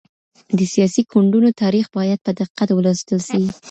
د سياسي ګوندونو تاريخ بايد په دقت ولوستل سي.